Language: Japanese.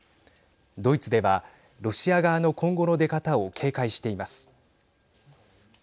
ドイツでは、ロシア側の今後の出方を警戒しています。